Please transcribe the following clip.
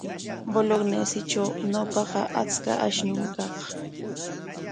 Bolegnesitraw ñawpaqa achka ashnum kaq.